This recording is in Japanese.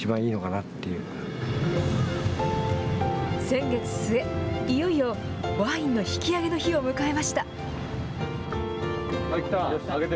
先月末、いよいよワインの引き上げの日を迎えました。